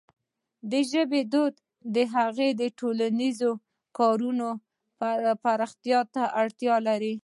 د ژبې وده د هغې د ټولنیزې کارونې پراختیا ته اړتیا لري.